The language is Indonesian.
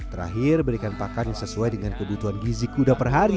terakhir berikan pakan yang sesuai dengan kebutuhan gizi kuda per hari